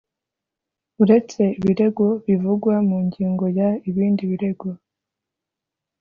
uretse ibirego bivugwa mu ngingo ya…ibindi birego